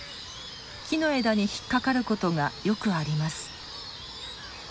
木の枝に引っ掛かることがよくあります。